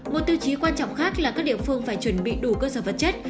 một tiêu chí quan trọng khác là các địa phương phải chuẩn bị đủ cơ sở vật chất